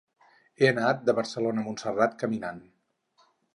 He anat de Barcelona a Montserrat caminant.